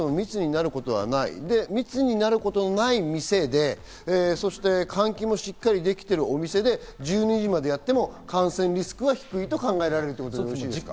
密になることのない店で、換気もしっかりできているお店で１２時までやっても感染リスクは低いと考えられるということですね。